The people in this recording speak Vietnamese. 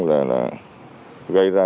là gây ra